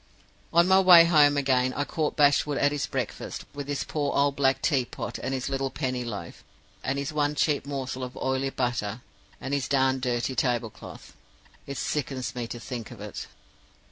"On my way home again, I caught Bashwood at his breakfast, with his poor old black tea pot, and his little penny loaf, and his one cheap morsel of oily butter, and his darned dirty tablecloth. It sickens me to think of it.